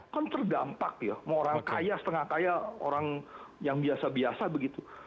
kan terdampak ya mau orang kaya setengah kaya orang yang biasa biasa begitu